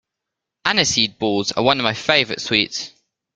Aniseed balls are one of my favourite sweets